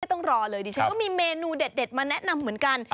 ต้องรอเลยดิฉันก็มีเมนูเด็ดมาแนะนำเหมือนกัน